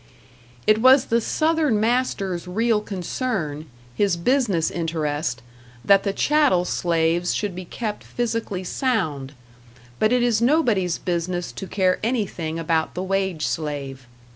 It was the Southern master's real concern, his business interest, that the chattel slave should be kept physically sound; but it is nobody's business to care anything about the wage slave.